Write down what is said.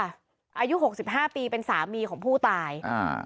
อายุหกสิบห้าปีเป็นสามีของผู้ตายอ่า